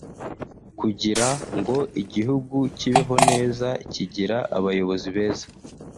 Kugira ngo igihugu kibeho neza kigira abayobozi beza